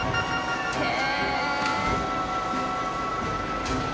へえ！